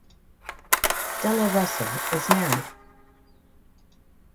Della Russell is married.